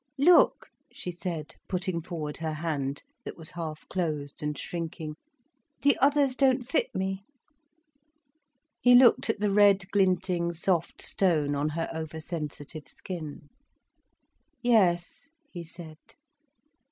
"Look," she said, putting forward her hand, that was half closed and shrinking. "The others don't fit me." He looked at the red glinting, soft stone, on her over sensitive skin. "Yes," he said.